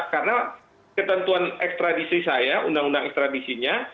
karena ketentuan ekstradisi saya undang undang ekstradisinya